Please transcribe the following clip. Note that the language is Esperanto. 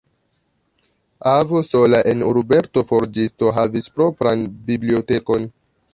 Avo, sola en urbeto forĝisto, havis propran bibliotekon.